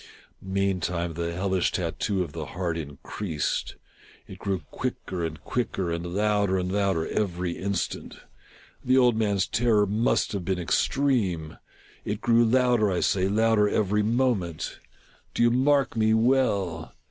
Mean time the hellish tattoo of the heart increased. It grew quicker and quicker, and louder and louder every instant. The old man's terror must have been extreme ! It grew louder, I say, louder every moment !— do you mark me well